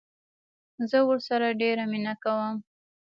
زه ورسره ډيره مينه کوم